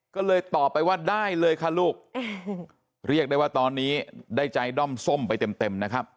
ก็เลยตอบไปว่าได้เลยค่ะลูกเรียกได้ว่าตอนนี้ได้ใจด้อมส้มไปเต็มนะครับ